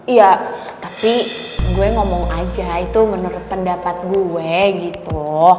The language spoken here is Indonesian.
iya tapi gue ngomong aja itu menurut pendapat gue gitu